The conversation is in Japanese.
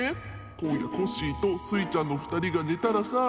こんやコッシーとスイちゃんのふたりがねたらさあ。